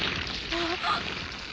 あっ！？